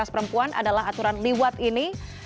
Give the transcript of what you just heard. perempuan adalah aturan liwat ini